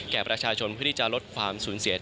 แก่ประชาชนเพื่อที่จะลดความสูญเสีย